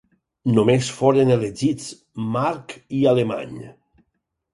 Només foren elegits March i Alemany.